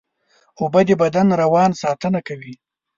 اوبه د بدن روان ساتنه کوي